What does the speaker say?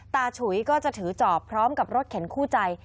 ฉุยก็จะถือจอบพร้อมกับรถเข็นคู่ใจ